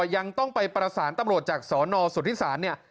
ยังต้องไปประสานตำรวจจากสนสุธิศาลเนี่ย